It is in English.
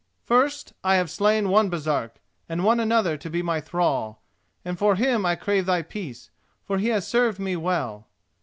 "First, I have slain one Baresark, and won another to be my thrall, and for him I crave thy peace, for he has served me well.